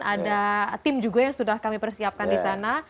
ada tim juga yang sudah kami persiapkan di sana